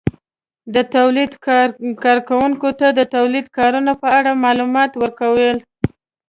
-د تولید کارونکو ته د تولید کارونې په اړه مالومات ورکول